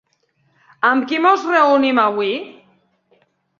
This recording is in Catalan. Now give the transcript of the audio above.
Amb qui ens reunim avui?